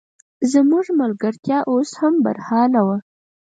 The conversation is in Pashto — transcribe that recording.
زموږ ملګرتیا اوس هم برحاله وه.